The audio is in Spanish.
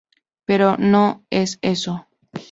Pero no es eso.